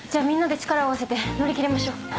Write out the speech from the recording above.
みんなで力を合わせて乗り切りましょう。